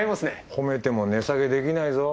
褒めても値下げできないぞ。